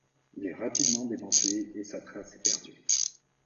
Il est rapidement démantelé et sa trace est perdue.